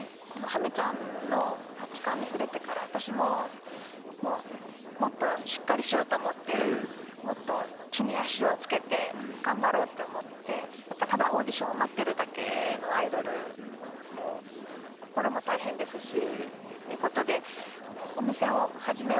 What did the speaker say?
ハミちゃんの価値観に触れてから私ももっとしっかりしようと思ってもっと地に足をつけてがんばろうって思ってやっぱただオーディションを待ってるだけのアイドルも心も大変ですしってことでえ